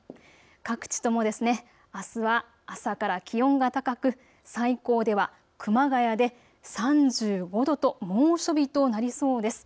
各地ともあすは朝から気温が高く最高では熊谷で３５度と猛暑日となりそうです。